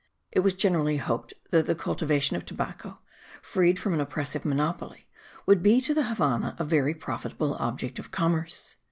It was generally hoped that the cultivation of tobacco, freed from an oppressive monopoly, would be to the Havannah a very profitable object of commerce.